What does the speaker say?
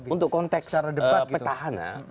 untuk konteks petahannya